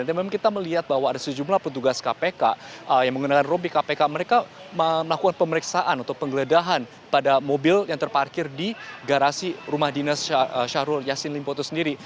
dan memang kita melihat bahwa ada sejumlah petugas kpk yang menggunakan ropi kpk mereka melakukan pemeriksaan atau penggeledahan pada mobil yang terparkir di garasi rumah dinas syahrul yassin limpo itu sendiri